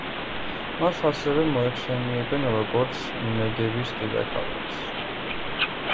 მას ასევე მოიხსენიებენ როგორც ნეგევის დედაქალაქს.